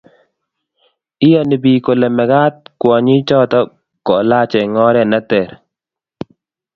iyoni biik kole mekaat kwonyichoto kolaach eng oret neteer